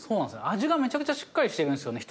味がめちゃくちゃしっかりしてるんですよね